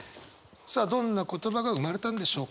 さあどんな言葉が生まれたんでしょうか？